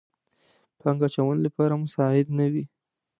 پانګه اچونې لپاره مساعد نه وي.